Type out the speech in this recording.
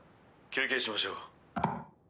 休憩しましょう。